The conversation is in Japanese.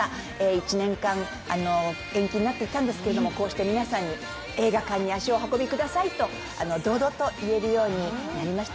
１年間延期になっていたんですけど、こうして皆さんに映画館に足をお運びくださいと堂々と言えるようになりました。